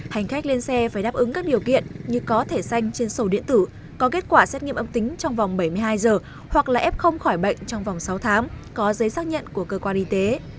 hành khách lên xe phải đáp ứng các điều kiện như có thể xanh trên sổ điện tử có kết quả xét nghiệm âm tính trong vòng bảy mươi hai giờ hoặc là f khỏi bệnh trong vòng sáu tháng có giấy xác nhận của cơ quan y tế